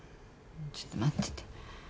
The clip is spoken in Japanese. ちょっと待ってて。